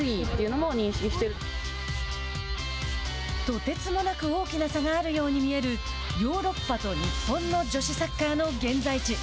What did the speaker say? とてつもなく大きな差があるように見えるヨーロッパと日本の女子サッカーの現在地。